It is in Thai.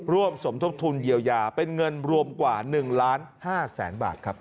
ร่วมสมทบทุนเยียวยาเป็นเงินรวมกว่า๑๕๐๐๐๐๐บาทครับ